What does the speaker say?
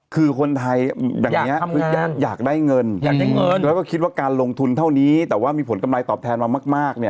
คือคนไทยอยากได้เงินแล้วก็คิดว่าการลงทุนเท่านี้แต่ว่ามีผลกำไรตอบแทนมามาก